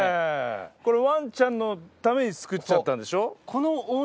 これワンちゃんのために作っちゃったんでしょ？